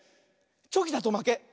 チョキだとまけ。